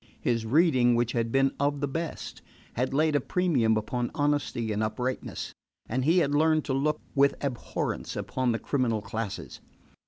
His reading, which had been of the best, had laid a premium upon honesty and uprightness, and he had learned to look with abhorrence upon the criminal classes.